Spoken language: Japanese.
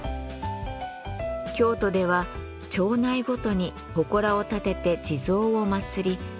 京都では町内ごとにほこらを建てて地蔵を祭り